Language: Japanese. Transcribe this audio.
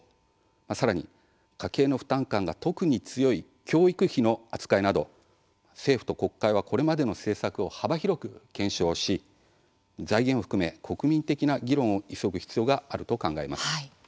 さらに家計の負担感が特に強い教育費の扱いなど、政府と国会はこれまでの政策を幅広く検証し財源を含め国民的な議論を急ぐ必要があると考えます。